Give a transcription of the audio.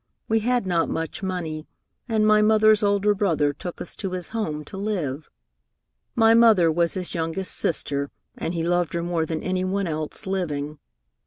We had not much money, and my mother's older brother took us to his home to live. My mother was his youngest sister, and he loved her more than any one else living.